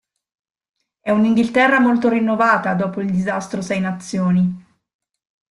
È un Inghilterra molto rinnovata dopo il disastro Sei Nazioni.